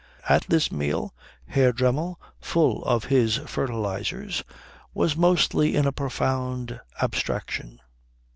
At this meal Herr Dremmel, full of his fertilizers, was mostly in a profound abstraction.